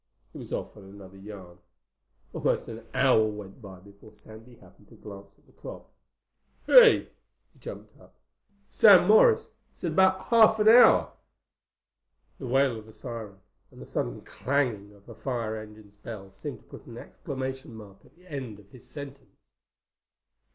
He was off on another yarn. Almost an hour went by before Sandy happened to glance at the clock. "Hey!" He jumped up. "Sam Morris said half an hour." The wail of a siren and the sudden clanging of the fire engine's bell seemed to put an exclamation mark at the end of his sentence.